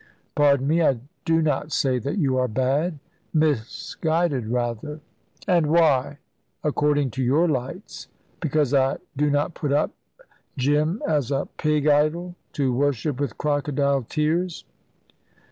"Pardon me. I do not say that you are bad. Misguided, rather." "And why according to your lights? Because I do not put up Jim as a pig idol, to worship with crocodile tears?"